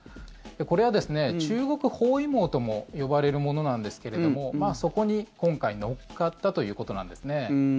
これは中国包囲網とも呼ばれるものなんですけどもそこに今回、乗っかったということなんですね。